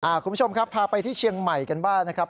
คุณผู้ชมครับพาไปที่เชียงใหม่กันบ้างนะครับ